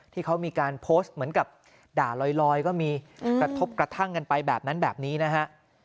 ที่เขามีการโพสต์เหมือนกับด่าลอยก็มีกระทบกระทั่งกันไปแบบนั้นแบบนี้นะฮะ